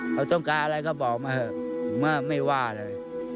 เขาต้องการอะไรก็บอกมาเถอะไม่ว่าเลย